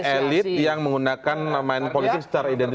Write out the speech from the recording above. tapi ada elit yang menggunakan namanya politik secara identitas